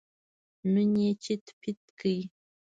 نن یې چیت پیت کړ.